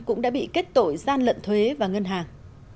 cũng đã bị kết tội gian lận thuế và ngân hàng